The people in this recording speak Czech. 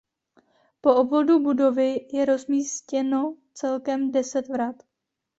Po obvodu budovy je rozmístěno celkem deset vrat.